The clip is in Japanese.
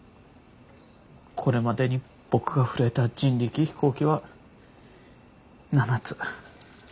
これまでに僕が触れた人力飛行機は７つ。